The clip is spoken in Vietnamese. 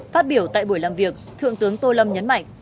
phát biểu tại buổi làm việc thượng tướng tô lâm nhấn mạnh